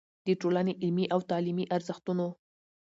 د ټولنې علمي او تعليمي ارزښتونو